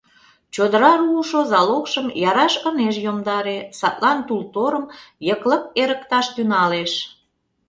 Чодыра руышо залогшым яраш ынеж йомдаре, садлан тул-торым йыклык эрыкташ тӱҥалеш.